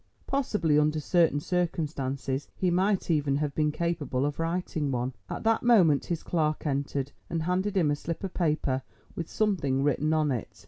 Possibly, under certain circumstances, he might even have been capable of writing one. At that moment his clerk entered, and handed him a slip of paper with something written on it.